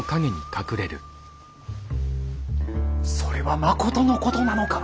それはまことのことなのか？